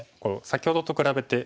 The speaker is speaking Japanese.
先ほどと比べて。